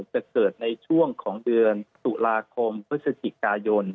จะเกิดในช่วงของเดือนตุลาคมพฤศจิกายน